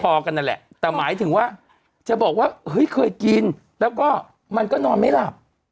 พอกันนั่นแหละแต่หมายถึงว่าจะบอกว่าเฮ้ยเคยกินแล้วก็มันก็นอนไม่หลับ